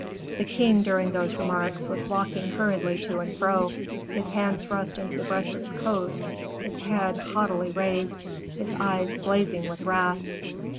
The king during these remarks was walking hurriedly to and fro, his hand thrust into the breast of his coat, his head haughtily raised, his eyes blazing with wrath.